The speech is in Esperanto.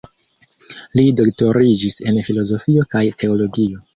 Li doktoriĝis el filozofio kaj teologio.